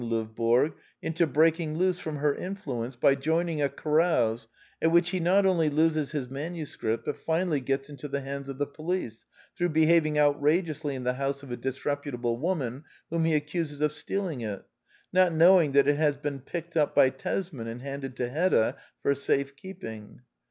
Lovborg into breaking loose from her influence by joining a carouse at which he not only loses his manuscript, but finally gets into the hands of the police through behaving outrageously in the house of a disreputable woman whom he accuses of steal ing it, not knowing that it has been picked up by Tesman and handed to Hedda for safe keeping.